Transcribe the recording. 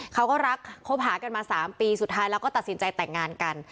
เขาก็รักคบหากันมา๓ปีสุดท้ายแล้วก็ตัดสินใจแต่งงานกัน